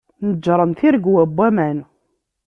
Neǧren tiregwa n waman.